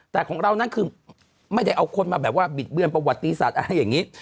แต่ของเรานั้นคือไม่ได้เอาคนมาแบบว่าบิดเบือนประวัติศาสตร์อะไรอย่างนี้